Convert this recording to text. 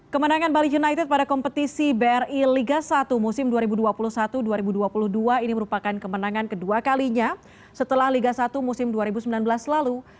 kemenangan bali united pada kompetisi bri liga satu musim dua ribu dua puluh satu dua ribu dua puluh dua ini merupakan kemenangan kedua kalinya setelah liga satu musim dua ribu sembilan belas lalu